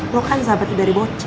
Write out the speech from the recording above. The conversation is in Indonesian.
lo kan sahabatnya dari bocil